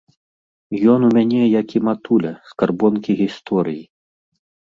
Ён у мяне, як і матуля, скарбонкі гісторый.